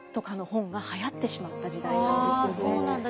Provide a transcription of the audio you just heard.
あそうなんだ。